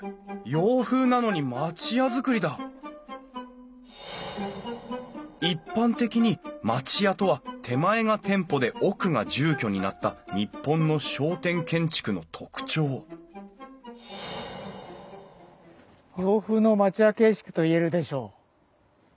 洋風なのに町屋造りだ一般的に町屋とは手前が店舗で奥が住居になった日本の商店建築の特徴洋風の町屋形式といえるでしょう。